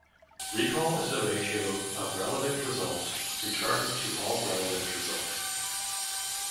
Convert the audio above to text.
Recall is the ratio of relevant results returned to all relevant results.